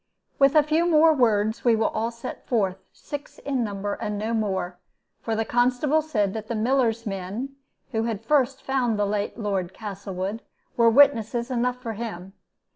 "With a few more words we all set forth, six in number, and no more; for the constable said that the miller's men, who had first found the late Lord Castlewood, were witnesses enough for him.